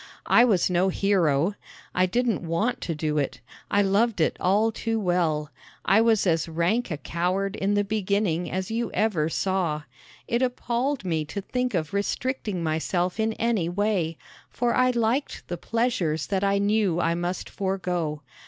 I was no hero. I didn't want to do it. I loved it all too well. I was as rank a coward in the beginning as you ever saw! It appalled me to think of restricting myself in any way, for I liked the pleasures that I knew I must forego.